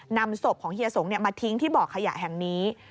นำศพของเฮียสงฆ์มาทิ้งที่บ่อขยะแห่งนี้